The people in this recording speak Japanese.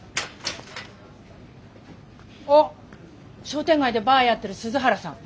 商店街でバーやってる鈴原さん。